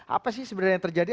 apa sih sebenarnya yang terjadi